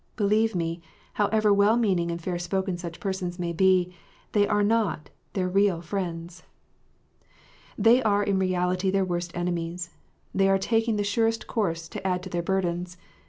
Believe me, however well meaning and fair spoken such persons may be, they are not their real friends. They are in reality their worst enemies : they are taking the surest course to add to their burdens.